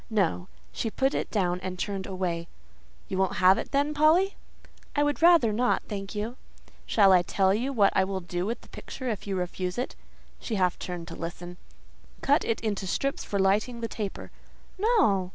No. She put it down and turned away. "You won't have it, then, Polly?" "I would rather not, thank you." "Shall I tell you what I will do with the picture if you refuse it?" She half turned to listen. "Cut it into strips for lighting the taper." "No!"